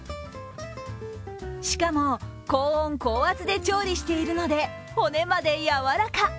しかも、高温高圧で調理しているので、骨までやわらか。